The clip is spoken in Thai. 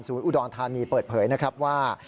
อุดรธานีเปิดเผยนะครับว่า